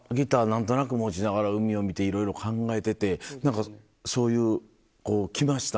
何となく持ちながら海を見ていろいろ考えてて何かそういうきました？